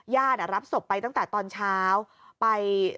ญาติรับศพไปตั้งแต่ตอนเช้า